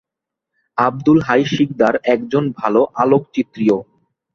আবদুল হাই শিকদার একজন ভালো আলোকচিত্রীও।